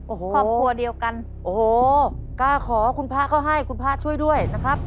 โอ้โหครอบครัวเดียวกันโอ้โหกล้าขอคุณพระก็ให้คุณพระช่วยด้วยนะครับ